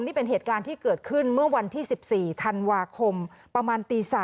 นี่เป็นเหตุการณ์ที่เกิดขึ้นเมื่อวันที่๑๔ธันวาคมประมาณตี๓